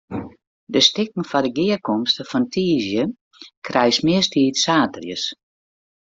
De stikken foar de gearkomste fan tiisdei krijst meast saterdeis.